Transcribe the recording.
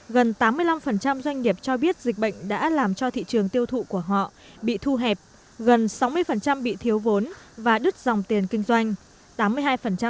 gần tám mươi năm doanh nghiệp cho biết dịch bệnh đã làm cho thị trường tiêu thụ của họ bị thu hẹp gần sáu mươi bị thiếu vốn và đứt dòng tiền kinh doanh